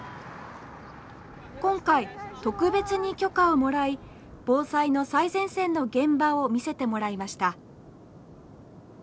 今回特別に許可をもらい防災の最前線の現場を見せてもらいました。